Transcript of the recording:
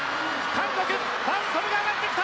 韓国ファン・ソヌが上がってきた！